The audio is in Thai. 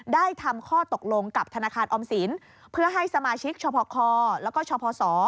ได้ทำข้อตกลงกับธนาคารออมสินเพื่อให้สมาชิกชพคแล้วก็ชพศ